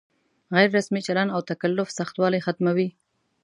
غیر رسمي چلن او تکلف سختوالی ختموي.